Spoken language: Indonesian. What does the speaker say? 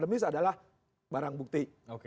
jenis adalah barang bukti